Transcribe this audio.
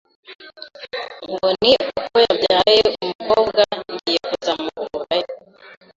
ngo ni uko yabyaye umukobwa ngiye kuzamukurayo